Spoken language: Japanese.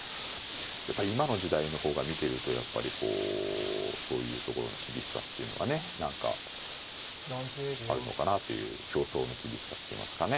やっぱり今の時代の方が見てるとやっぱりこうそういうところの厳しさっていうのがね何かあるのかなという競争の厳しさっていいますかね